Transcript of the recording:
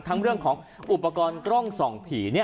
เรื่องของอุปกรณ์กล้องส่องผี